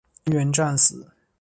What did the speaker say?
全员战死。